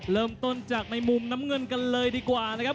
เริ่มต้นจากในมุมน้ำเงินกันเลยดีกว่านะครับ